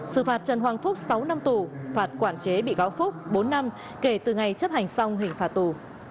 sự phạt trần hoàng phúc sáu năm tù phạt quản chế bị cáo phúc bốn năm kể từ ngày chấp hành xong hình phạt tù